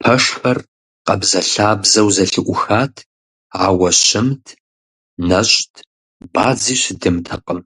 Пэшхэр къабзэлъабзэу зэлъыӀухат, ауэ щымт, нэщӀт, бадзи щыдымтэкъым.